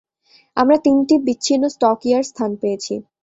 আমরা তিনটি বিচ্ছিন্ন স্টকইয়ার্ড স্থান পেয়েছি।